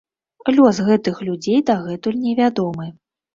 Лёс гэтых людзей дагэтуль невядомы.